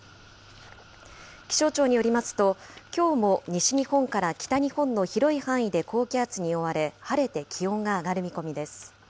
気象庁によりますと、きょうも西日本から北日本の広い範囲で高気圧に覆われ、晴れて気温が上がる見込みです。